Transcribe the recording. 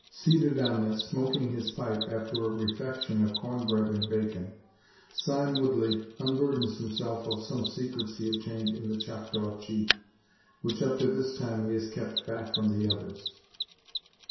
Seated on this, smoking his pipe, after a refection of corn bread and bacon, Sime Woodley unburdens himself of some secrets he obtained in the Choctaw Chief, which up to this time he has kept back from the others.